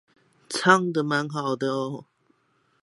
唱的蠻好的